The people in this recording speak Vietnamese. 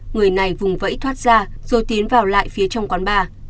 người này vùng vẫy thoát ra rồi tiến vào lại phía trong quán bar